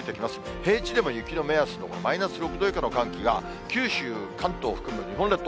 平地でも雪の目安のマイナス６度以下の寒気が、九州、完登を含む日本列島